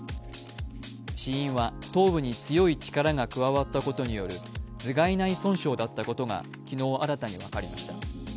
死因は頭部に強い力が加わったことによる頭蓋内損傷だったことが昨日新たに分かりました。